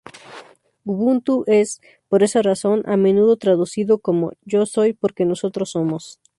Ubuntu es, por esa razón, a menudo traducido como: "Yo soy porque nosotros somos".